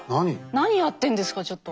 何やってんですかちょっと。